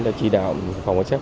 đã chỉ đạo phòng quan sát